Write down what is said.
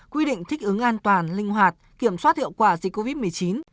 quy định thích ứng an toàn linh hoạt kiểm soát hiệu quả dịch covid một mươi chín